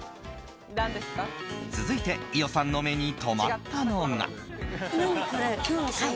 続いて伊代さんの目に留まったのが。